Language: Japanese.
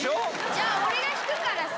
じゃあ俺が弾くから。